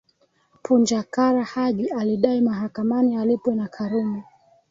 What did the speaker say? Punja Kara Haji alidai mahakamani alipwe na Karume